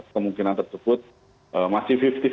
kemungkinan tersebut masih lima puluh lima puluh